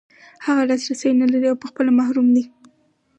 هغه لاسرسی نلري او په خپله محروم دی.